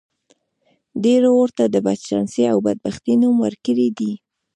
ډېرو ورته د بدچانسۍ او بدبختۍ نوم ورکړی دی.